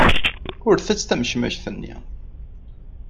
Ur ttett tamecmact-nni!